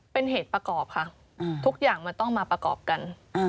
เป็นเหตุประกอบค่ะทุกอย่างมันต้องมาประกอบกัน